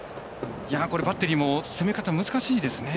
バッテリーも攻め方難しいですね。